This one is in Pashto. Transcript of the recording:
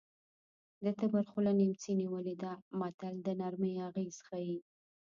د تبر خوله نیمڅي نیولې ده متل د نرمۍ اغېز ښيي